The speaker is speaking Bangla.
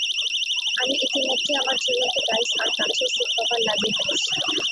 আমি ইতিমধ্যেই আমার ঝুলন্ত ডাইস আর কাঠের সিট কভার লাগিয়ে ফেলেছি।